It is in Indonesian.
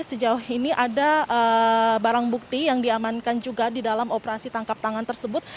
sejauh ini ada barang bukti yang diamankan juga di dalam operasi tangkap tangan tersebut